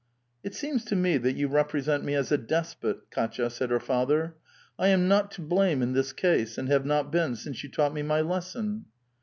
'*It seems to me that you represent me as a despot, Kdtya," said her father. *' I am not to blame in this case, and have not been since you taught me my lesson."